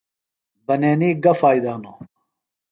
بنینی گہ فائدہ ہِنوۡ؟